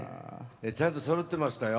ちゃんと、そろってましたよ。